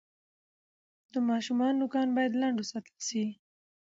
د ماشوم نوکان باید لنډ وساتل شي۔